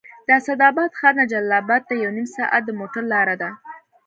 د اسداباد ښار نه جلال اباد ته یو نیم ساعت د موټر لاره ده